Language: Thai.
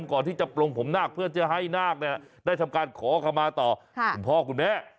ก่อนที่จะปลงผมนาคเพื่อจะให้นาคได้ทำการขอคำมาต่อคุณพ่อคุณแม่